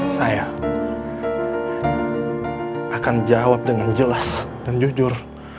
saya akan jawab dengan jelas dan jujur